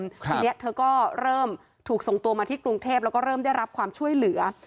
ทีนี้เธอก็เริ่มถูกส่งตัวมาที่กรุงเทพแล้วก็เริ่มได้รับความช่วยเหลือ